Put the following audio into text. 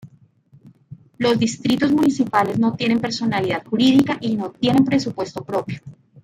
Los distritos municipales no tienen personalidad jurídica, y no tienen presupuesto propio.